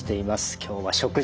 今日は食事。